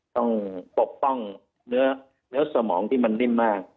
ปกป้องเนื้อสมองที่มันนิ่มมาก